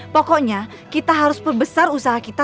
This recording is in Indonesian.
pokoknya kita harus perbesar usaha kita